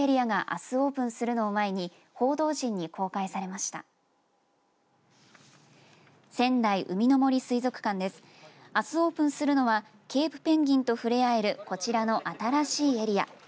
あすオープンするのはケープペンギンと触れ合えるこちらの新しいエリア。